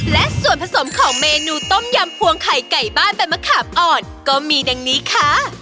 และส่วนผสมของเมนูต้มยำพวงไข่ไก่บ้านใบมะขามอ่อนก็มีดังนี้ค่ะ